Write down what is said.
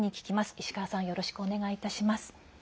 石川さんよろしくお願いします。